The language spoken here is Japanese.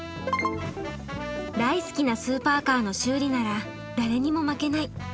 大好きなスーパーカーの修理なら誰にも負けない。